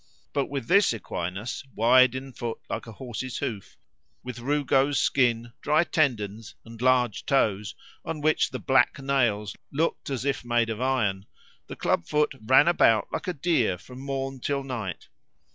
But with this equinus, wide in foot like a horse's hoof, with rugose skin, dry tendons, and large toes, on which the black nails looked as if made of iron, the clubfoot ran about like a deer from morn till night.